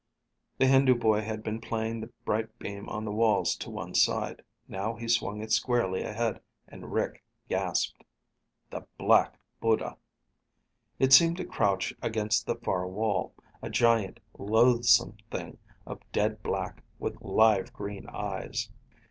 The Hindu boy had been playing the bright beam on the walls to one side. Now he swung it squarely ahead, and Rick gasped. The Black Buddha! It seemed to crouch against the far wall, a giant, loathsome thing of dead black with live green eyes.